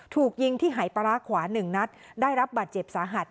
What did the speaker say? ถูกยิงที่หายปลาร้าขวา๑นัดได้รับบาดเจ็บสาหัส